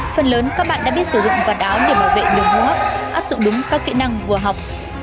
phần lớn các bạn đã biết sử dụng quần áo để bảo vệ đường hô hấp áp dụng đúng các kỹ năng vừa học